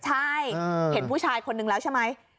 ใช่เห็นผู้ชายคนนึงแล้วใช่ไหม